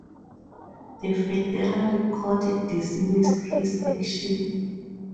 The Federal Court dismissed his action.